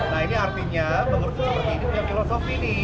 nah ini artinya menurut seperti ini filosofi ini